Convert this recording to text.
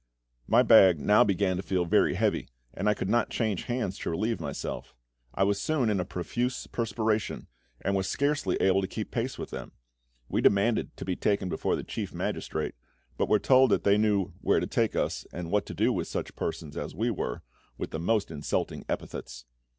My bag now began to feel very heavy, and I could not change hands to relieve myself. I was soon in a profuse perspiration, and was scarcely able to keep pace with them. We demanded to be taken before the chief magistrate, but were told that they knew where to take us, and what to do with such persons as we were, with the most insulting epithets.